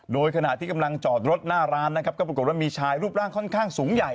โดยขณะที่กำลังจอดรถหน้าร้านนะครับก็ปรากฏว่ามีชายรูปร่างค่อนข้างสูงใหญ่